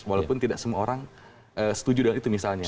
walaupun tidak semua orang setuju dengan itu misalnya